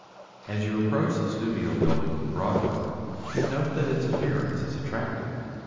As you approach the studio building from Broadway you note that its appearance is attractive.